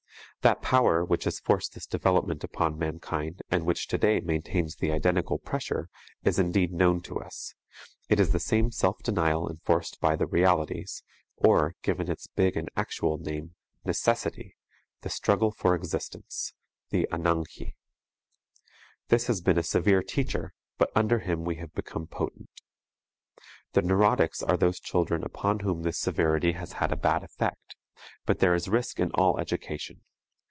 That power which has forced this development upon mankind, and which today maintains the identical pressure, is indeed known to us: it is the same self denial enforced by the realities or, given its big and actual name, Necessity, the struggle for existence, the 'Ανἁγχη. This has been a severe teacher, but under him we have become potent. The neurotics are those children upon whom this severity has had a bad effect but there is risk in all education.